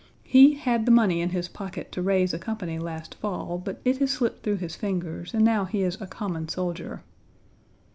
He "had the money in his pocket to raise a company last fall, but it has slipped through his fingers, and now he is a common soldier."